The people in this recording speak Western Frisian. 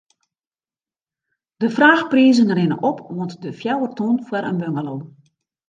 De fraachprizen rinne op oant de fjouwer ton foar in bungalow.